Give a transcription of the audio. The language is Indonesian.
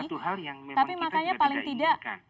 betul itu satu hal yang memang kita tidak inginkan